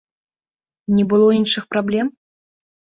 Не было іншых праблем?